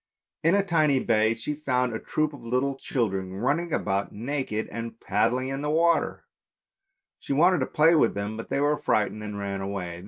In a tiny bay she found a troop of little children running about naked and paddling in the water; she wanted to play with them, but they were frightened and ran away.